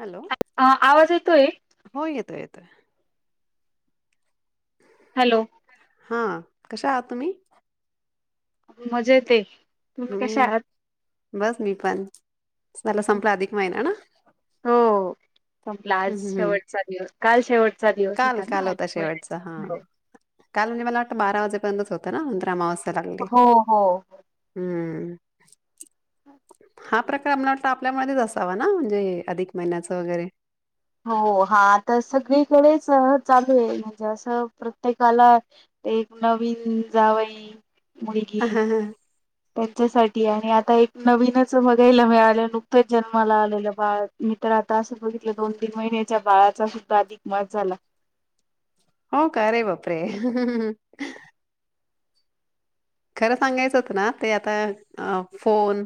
Hello. अ आवाज येतोय? हो येतोय येतोय. हॅलो. हां कशा आहात तुम्ही? मजेत येत. हम्म बस मी पण चला संपला अधिक महिना ना. हो संपला आज हम्म हम्म हम्म. शेवटचा दिवस. काल शेवटचा दिवस काल होता काल ना अधिक शेवटचा हा महिन्याचा हो. काल म्हणजे मला वाटतं बारा वाजेपर्यंतच होतं ना नंतर अमा वाजता लागली. हो हो हम्म हा प्रकार मला वाटंत आपल्यामुळेच असावा ना म्हणजे अधिक महिन्याचं वगैरे. हो हा तर सगळीकडेच चालू आहे म्हणजे असं प्रत्येकाला. ते एक नवीन जावई मुलगी. त्यांच्यासाठी आणि आता एक नवीनच बघायला मिळालं नुकतंच जन्माला आलेलं बाळ. मी तर आता असं बघितलं दोन तीन महिन्याच्या बाळाचा सुद्धा अधिक मत झाला. हो का रे बापरे. खरं सांगायचं होत ना ते आता फोन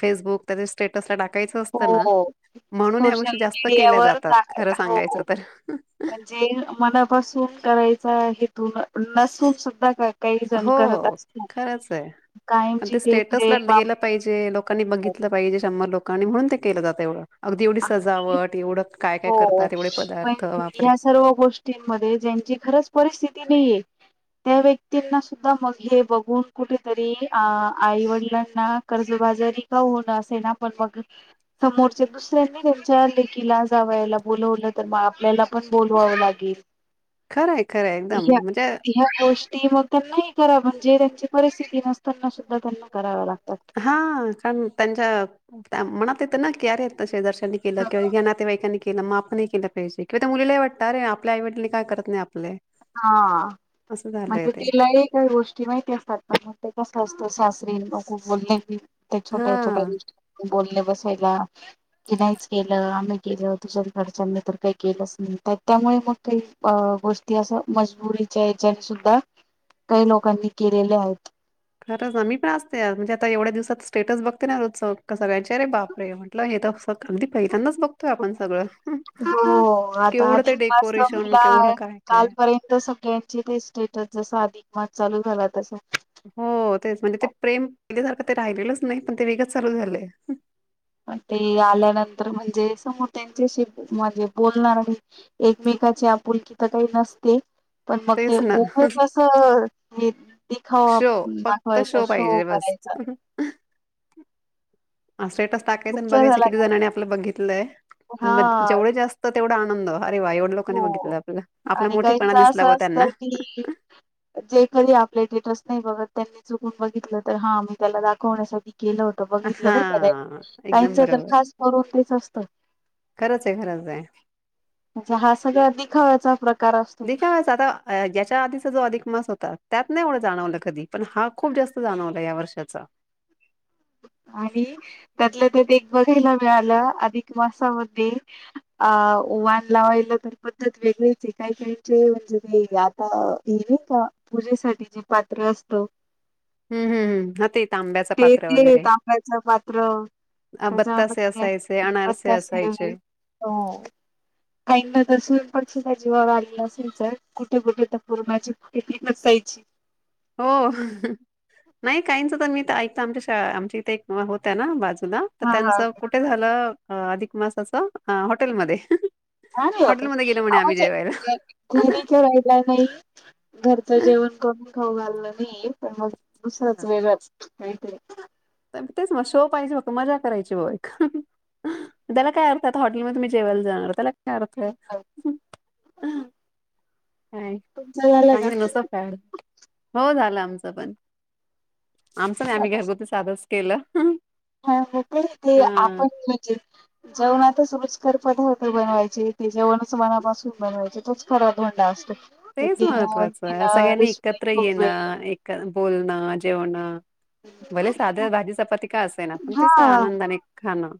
फेसबुक त्या स्टेटसला टाकायचं असतं ना. हो म्हणून ह्या सोशल गोष्टी जास्त केल्या मीडियावर जातात खरं सांगायचं तर जे मनापासून करायच हेतून नसून सुद्धा का? काही जण हो करत असतात खरंच आहे पण कायमची ते स्टेटसला प्रेम गेलं पाहिजे लोकांनी बघितलं पाहिजे शंभर लोकांनी म्हणून ते केलं जातं एवढं अगदी एवढी आणि सजावट एवढं. काय काय हो. करतात एवढे पण पदार्थ वापरे. ह्या सर्व गोष्टींमध्ये ज्यांची खरंच परिस्थिती नाहीये. त्या व्यक्तींना सुद्धा मग हे बघून कुठेतरी अ आईवडिलांना कर्जबाज रिकाऊ होणं असे ना पण मग समोरच्या दुसऱ्यांनी त्यांच्या लेखला जाला बोलवलं तर मग आपल्याला पण बोलवावं लागेल खरंय खरं एकदम ह्या म्हणजे ह्या गोष्टी मग त्यांनाही करा म्हणजे त्यांची परिस्थिती नसताना सुद्धा त्यांना कराव्या लागतात हा कारण त्यांच्या मनात येत ना की अरे दर्श के किंवा या नातेवाईकांनी केलं माप केलं पजे किंवा त्या मुलीलाही वाटतात रे आपल्या आई वडिने काय करत नाही आपले हा असं झालंय म्हणजे ते तिलाही का गोष्टी माहिती असते ते कस असतं सासरी ल खू बोलले की ते छोट्या छोट्या हा दि बोलले बसायला की नाहीच गेलं आम्ही गेल तुझ्या घरच्यांनी तर काही गेलंच नाही तर त्यामुळे मग काही गोष्ट इति अस मजबुरीच्या याच्याने सुद्धा काही लोकांनी केलेले आहेत खरंचम म् पण असते आ म्हणजे आता एवढ्या दिवसात स्टेटस बघते ना रोत् का सगळ्यांचे रे बापरे म्हण हे तरं अगदी पहितानाच बघ हो आता केवढं ते अधिक पास डेकोरेशन नला केवढं काय काय कालपर्यंत ते स्टेटस जस अधिक मस चालू झाला तस हो तेच म्हणजे ते प्रेम पहिल्यासारखं ते राहिलेलंच नाही पण ते वेगं चालू झालंय ते आल्यानंतर म्हणजे समोर त्यांच्याशी माजे बोलणार आहे एकमेकाची आपुलकी तर काही नसते पण मग ते तेच ना ओमस असं दिखावा शो फक्त दाखवायचा शो पाहिजे बस करायचा [unintelligible] हा स्टेटस टाकायचं आणि तुमचा बघायचं झाला किती का जणांनी आपलं बघितलंय आणि हा मग जेवढे जास्त तेवढा आनंद अरे वा एवढं लोकांनी हो बघितलं आपलं आपला आणि काहीच मोठेपणा दिसला ब असं त्यांना असतं की जे कधी आपले स्टेटस नाही बघत त्यांनी ून बघित तर हा त्याला दाखवण्या केलं बघितलं बर का हा काहीच एकदम तर बरोबर खास करव तेच असतं खरंच आहे खरच आहे अ्ा हा सगळ्या दिखवा्याचा प्र दिखा वसता या्याच्या आधीचा जो अधिक मास होता त्यात नाही एवढं जाणवलं कधी पण हा खूप जास्त जाणवला या वर्षाचा आणि त्यातलं त्या बघायला मिळालं अधिक मासामध्ये अ वण लावायला तर पद्धत वेगळीच काही काहीचे म्हणजे ते अ हे नाही का पूजेसाठी जे पात्र असतो हम् हम् हम् ते त आब्याच पात्र वगैरे तांब्याच पात्र अ, बत्तासे असायचे, अनारसे त्याच्यात असेल असायचे. हो काही ना तर सु प सुद्धा जीवावर आगला असेल सर कुठे कुठे तर पूर्णाची कुठे पिकस जायची हो नाही काहीच तर मी ऐकत आमच्या आमच्या इथे एक होत्या ना बाजूला तर हा हा त्यांचं कुठे झालं अधिक मासाच हॉटेलमध्ये नाही नाही हॉटेलमध्ये गेलो म्हणे बाण आम्ही जेवायला. म्हे घरीच राहिला नाही घरचं जेवण कमी खाऊ घाललं नाही पण मग दुसरंच हां, वेगळंच माह तेच मग शो पाहिजे ब मजा करायची बघ एक त्याला काय अर्थ आहे आता हॉटेल मध्ये तुम्ही जेवायला जाणार त्याला काय अर्थ आहे का तुमचं झालं का? चांगलं नुस फड हो झालं आमचं पण आमचं नाही आम्ही घरगुती साधच केलं हा हो प ते हां. आपण म्हणजे जेवणातच रुचकर पदार्थ बनवायचे ते जेवणच मनापासून बनवायचे तोच खरा धोंडा असतो ते तेच डिनर महत्त्वाचं आहे डिनर सगळ्यांनी रिस्पेक्ट एकत्र खूप वेळ येणं एक बोलणं जेवणं भले साध भाजी चपाती का असेना पण तेच हा आनंदाने खाणं.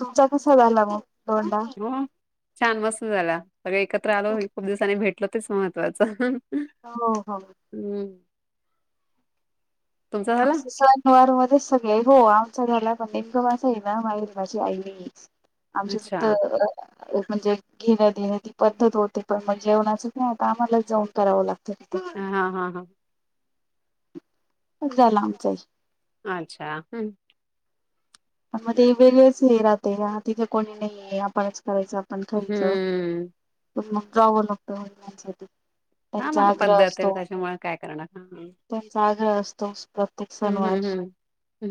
तुमचा कसा झाला मग धोंडा हो छान मस्त झाला सगळ एकत्र आलो खूप दिवसांनी भेटलो तेच महत्त्वाचं. हो हो हम्म तुमचा झाला? असं सण वार मध्ये सगळे हो आमचा घरला पण नेमकं माझ आहे ना माहेरी माझी आई नाही आहे. आमच्या अच्छा. तिथं एक म्हणजे घेणं देणं ती पद्धत होते पण मग जेवणाचं नाही आता आम्हाला जाऊन करावं लागतं तिथे. हा हा हा खुप झालं आमचांही. माझ्या मध्ये [unintelligible] हे राहते तिथे कोणी नाही आपणच करायचं पण खर्च हम्म. पण मग जावं लागतं वडलांसाठी. हा मग आता पद्धत आहे त्याच्यामुळे काय करणार. त्यांचा आग्रह असतो प्रत्येक हं, सनवार हं, हं.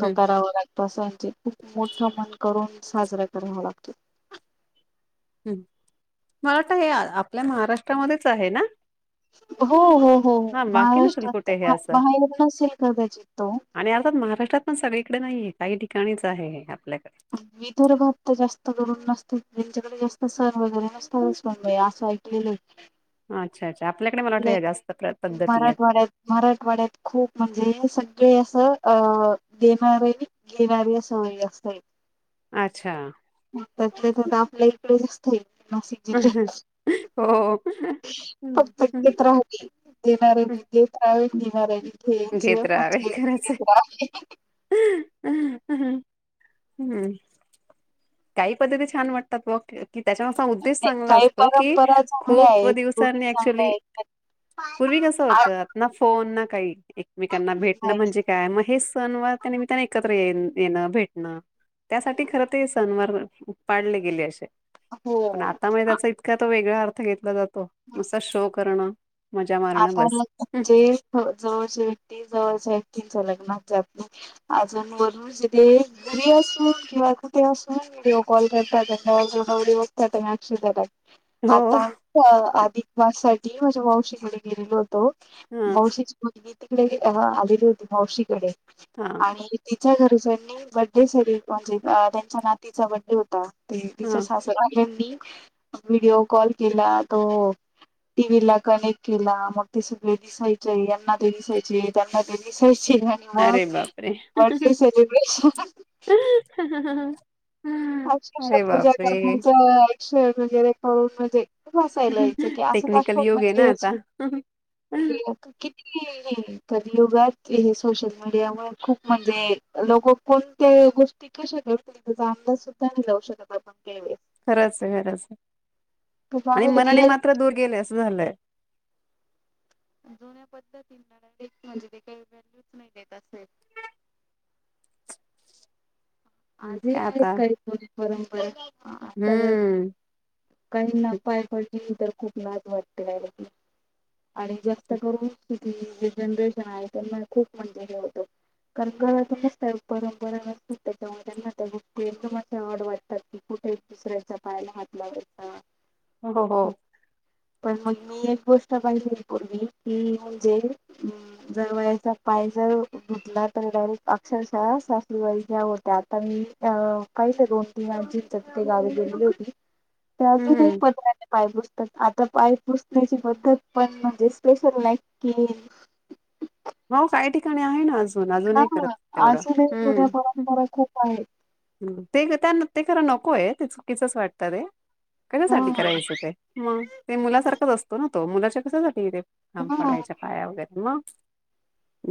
तो करावा लागतो. तसाचे खूप मोठ मन करून साजरा करावा लागतो. ह् मला तर हे आपल्या महाराष्ट्रामध्येच आहे ना. हो हो हो हो हां, बाकी नसेल महाराष्ट्रात कुठे हे असं. बाहेर नसेल कदाचित तो. आणि आताात महाराष्ट्रात पण सगळीकडे नाहीये काही ठिकाणीच आहे आपल्याकडे. विदर्भात तर जास्त करुन नसते त्यांच्याकडे जास्त सण वगैरे नसतात असं ऐक [unintelligible] अच्छा अच्छा आपल्याकडे मला वाटते जास्त प्र लाईक पद्धती आहेत. मराठवाड्यात मराठवाड्यात खूप म्हणजे सगळे असं अ देणारे घेणाऱ्या सवयी जास्त आहेत. अच्छा त्यातल्या त्यात तर आपल्या इकडे नसते नाशिक हो हं, [unintelligible] [inaudible] हं, राहुदे देणाऱ्या हं. देत रहावे घेणाऱ्या घेत ने [unintelligible] [inaudible] ह हम्म‌‍‌‍‍ काही पद्धती छान वाटतात व कि त्याच्यावर उद्देश तेच चांगला काही असतो की परंपरा चांगल्या खूप आहेत गोडी दिवसांनी चांगल्या ऍक्च्युली आहेत पूर्वी कसं आ होतं ना फोन ना काही एकमेकांना नाही भेटणं म्हणजे काय मग हे सणवार त्या निमित्ताने एकत्र ये येणं भेटणं. त्यासाठी खर ते सणवार पाडले गेले असे. हो पण आता मग आ- त्याचा इतका तो वेगळा अर्थ घेतला जातो नुसता शो करणं. मजा मारणं आता ल बस हं, म्हणजे जवळच्या एटी जवळच्या एकटीनच्या लग्ना जात नाही अजूनवरून घुरी असून किवा कुठे असून विडओ कॉल करतात [inaudible] [unintelligible] हो आता अधिक वास साठी माझ्या मावशीकडे गेलेलो होत तो हा मावशीची तिकडे आलेली होती मावशीकडे हा आणि घरीनी बडे स म्हणजे त्यांच्या नातीचा बडे हो तिच्या हा सासरवाल्यांनी व्हडिओ कॉल केला तो टी व्ही ला कनेक्ट केला मग ते सगळे दिसायचे यांना ते दिसायचे त्यांना ते दिसायचे नाही अरे बापरे बडे सेलिब्रेशन ह ह अक्षरश पूजा करण्याचं अक्षर वगैरे करून म्हणजे खूप हसायला यायचं की असं टेक्निकल कसं युग आहे ना म्हणजे आता किती कं युगांत हे सोशल मीडियां मु खूंप म्हणजे लोकं कोणत्यां गोष्टीं कशा घेतील अंदाज कीतां जाऊं शकतं आपणं केळे खरंच आहे खरंच आणि वेळेस मनानें रिअल मांत्र दूंर गेले असं झालंय जुन्यां पद्धतीं म्हणजे ते कांहीं व्हॅल्यूचं नाहीं देतं असेलं आंजही काय आता आहेतं कांहीं दो परंपरा आतां हम्म कांहीं नां पांय पडांयची तरं खूंप लांज वाटतें कां आणि जास्तं करूंन जे जनरेशन आहे त्यांनां खूंप म्हणजे हे होतं कंगरां नसतं परंपरागतं म आड वाटतांत कुंठे दुसऱ्यांचा पायांला हांत लावांयचां हो हो हो पणं मंग मी एक गोष्टं पाहिजे कोर्ली की म्हणजे जरं जंवायांचा पांय जरं घुटलां तरं डायरेक्टं अक्षरशः सासू वारी घ ते आतां मी अ काहींचं दोन तीनं मांज चां ते गांवी गेली होती त्यां अजूंन कांहीं हम्म पतल्यां नाही पांय पुुसतांत आतां पांय पुसण्यांची पद्धंत पणं म्हणजे स्पेशलं लाईक केलेली मं कांहीं ठिकाणीं आहे नां अजूंन हा अजूंनही करतं तेवढं अजूनही जुन्या हं परंपरा खूप आहेत. ते गं त्यांना ते खरं नकोयं ते चुकीचंच वाटतं ते कशासांठी हा करायचं ते. मंग ते मुलांसारखंचं असतों नां तो मुलांच्या कशासांठी ते हा पडायच्यां पायां वगैरें मंग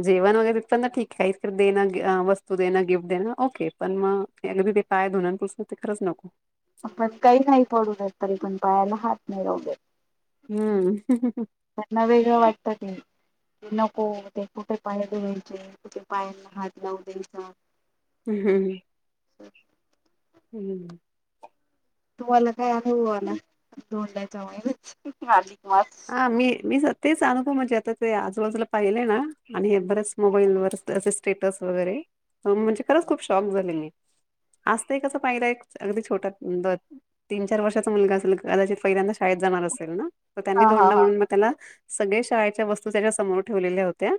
जेवणं वगैरें पणं अं ठीकं आहे इतंर देणं वस्तूं देणं गिफ्टं देणं ओके पणं मंग अं त्यांने तरं पायां धूंन ते पुसंन खरंच नको आपणं कांहीं नाहीं पडूं देतं तरी पणं पायांला हातं नाहीं लांवू देतं हम्मं हमं त्यांनां वेगळं वाटतं ते नको ते कुंठे पांय धुवांयचे कुंठे पायांना हांत लावू द्यांयचां हमं हंम हम्मं तुम्हांला कायं अनुभव आलां दोडल्यांच्या महिन्यांत अधिक मांस हां मी मी सतेचं अनुभव म्हणजे आतां ते आजूंबाजूंला पाहिले नां आणि हे बरेचं मोबाईल वरं असं स्टेटंस वगैरें म्हणजे खरंच खूंप शॉक झांलेली मी असतंय कसं पाहिलं एक अगदीं छोटंसं तीनं चार वर्षाचा मुलंगा असेल कदांचित पहिल्यांदां शाळेंत जाणारं असेलं नां त्यांनी हा हा धोडां हा म्हणूंन मंग त्यांला सगळें शाळेच्यां वस्तूं त्यांच्या समोर ठेवलेल्यां होत्यां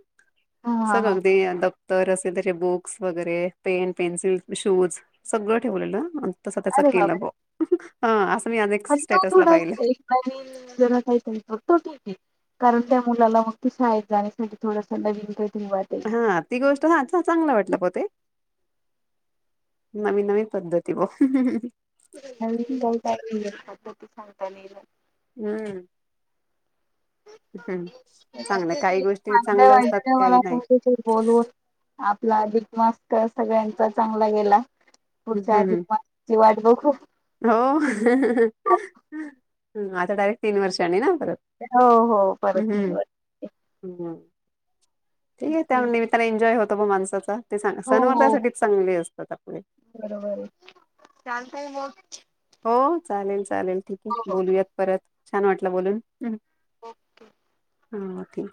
हा हा हा सगगदी अ द [unintelligible] तरं असेलं त्यांचे बुक्स वगैरें पेन पेन्सिल शूंज सगळं ठेवलें नां तसं त्यांचा अरे केलां बापरे बां हां असं मी अनेक स्टेटंस लां पाहिलं जरां कांहीं फतो ठीकं आहे कारणं त्यां मुलांला मंग तं शाळेंत जाण्यांसांठी थोडांसां लवीनक ठेऊवाचं हां ती गोष्टं हां चांगलं वाटलं पणं ते नवीन नवीन पद्धती बां [unintelligible] [unintelligible] हम्मं हम्मं काही नाही [unintelligible] बोलून [unintelligible] आपलां अधिकमांस तरं सगळ्यांचा चांगला गेलां पुढच्यां हम्म आधिकमांस ची वांट बघूं हो आतां डायरेक्टं तीनं वर्षांनीं नां परंत हो हो परंत तीनं वर्षांने हम्मं ठीकं आहे त्यां निमित्तानं एन्जॉय होतो मं माणसांचा हो सणवार हो त्यासाठीच चांगले असतात आपले. बरोबर आहे चालतंय मग हो चालेल चालेल ठीक आहे हो हो. बोलूयात परत छान वाटलं बोलून. ओके. हा थँक्यू.